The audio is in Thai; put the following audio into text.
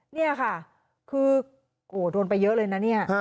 นี่ค่ะโหโดนไปเยอะเลยนะนี่